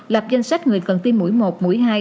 lập danh sách người cần tiêm mũi một mũi hai